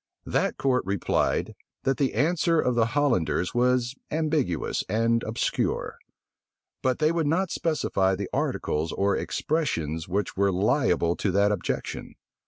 That court replied, that the answer of the Hollanders was ambiguous and obscure; but they would not specify the articles or expressions which were liable to that objection.